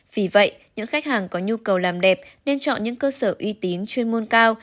vì vậy những khách hàng có nhu cầu làm đẹp nên chọn những cơ sở uy tín chuyên môn cao